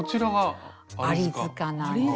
「アリ塚」なんです。